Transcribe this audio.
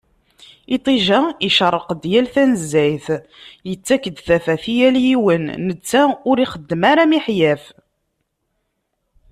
Iṭij-a icerreq-d yal tanezzayt, yettak-d tafat i yal yiwen, netta ur ixeddem ara miḥyaf.